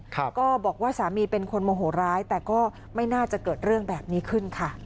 ก็บอกว่าสามีเป็นคนโมโหร้ายแต่ก็ไม่น่าจะเกิดเรื่องแบบนี้ขึ้นค่ะ